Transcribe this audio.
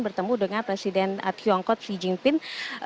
bertemu dengan presiden tiongkok xi jinping